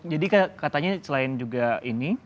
jadi katanya selain juga ini